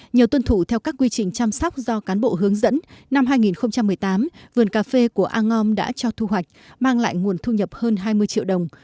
nhờ tuân thủ theo các quy trình chăm sóc do cán bộ hướng dẫn năm hai nghìn một mươi tám vườn cà phê của a ngom đã cho thu hoạch mang lại nguồn thu nhập hơn hai mươi triệu đồng